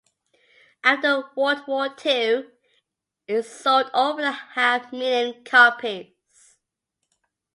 After World-War Two, it sold over a half-million copies.